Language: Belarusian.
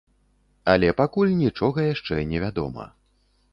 Але пакуль нічога яшчэ не вядома.